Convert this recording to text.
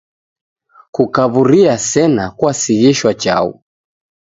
Kukaw'aw'uria sena kuasighishwa chaghu.